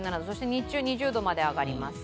日中、２０度まで上がります。